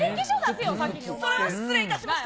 それは失礼いたしました。